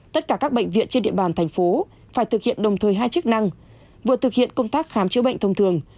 tất cả các bệnh viện trên địa bàn thành phố phải thực hiện đồng thời hai chức năng vừa thực hiện công tác khám chữa bệnh thông thường